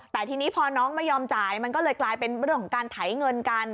แต่ทีนี้พอน้องไม่ยอมจ่ายมันก็เลยกลายเป็นเรื่องของการไถเงินกัน